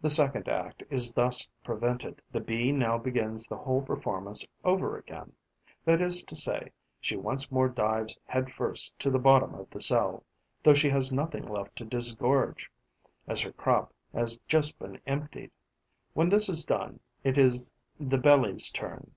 The second act is thus prevented. The Bee now begins the whole performance over again, that is to say, she once more dives head first to the bottom of the cell, though she has nothing left to disgorge, as her crop has just been emptied. When this is done, it is the belly's turn.